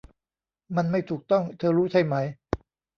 มันไม่ถูกต้องเธอรู้ใช่ไหม